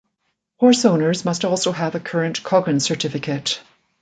Horse owners must also have a current Coggins certificate.